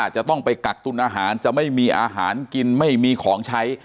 จะต้องไปกักตุลอาหารจะไม่มีอาหารกินไม่มีของใช้